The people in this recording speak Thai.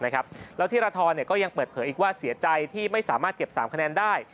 แล้วธีรทรก็ยังเปิดเผยอีกว่าเสียใจที่ไม่สามารถเก็บ๓คะแนนได้